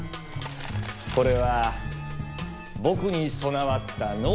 これは僕に備わった「能力」だ。